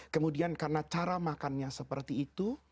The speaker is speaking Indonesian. kemudian karena cara makannya seperti itu